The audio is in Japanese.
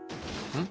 うん？